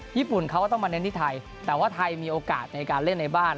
ญี่ปุ่นเขาก็ต้องมาเน้นที่ไทยแต่ว่าไทยมีโอกาสในการเล่นในบ้าน